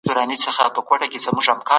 داستاني اثر په پوره دقت سره وڅېړل شو.